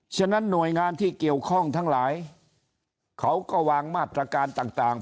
ฉะนั้นหน่วยงานที่เกี่ยวข้องทั้งหลายเขาก็วางมาตรการต่าง